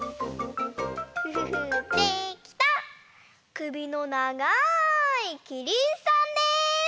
くびのながいキリンさんです！